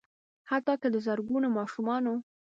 حتا که د زرګونو ماشومانو